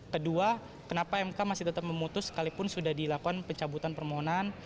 kedua kenapa mk masih tetap memutus sekalipun sudah dilakukan pencabutan permohonan